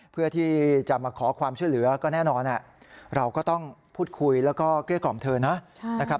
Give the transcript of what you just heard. เพื่อที่จะมาขอความช่วยเหลือก็แน่นอนเราก็ต้องพูดคุยแล้วก็เกลี้ยกล่อมเธอนะครับ